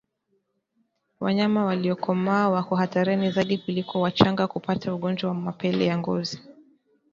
Wanyama waliokomaa wako hatarini zaidi kuliko wachanga kupata ugonjwa wa mapele ya ngozi